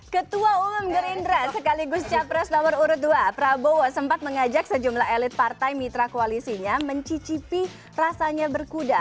ketua umum gerindra sekaligus capres nomor urut dua prabowo sempat mengajak sejumlah elit partai mitra koalisinya mencicipi rasanya berkuda